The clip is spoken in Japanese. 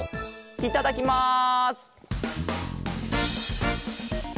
いただきます！